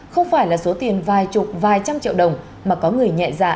không phải là số tiền vài chục vài trăm triệu đồng mà có người nhẹ dạ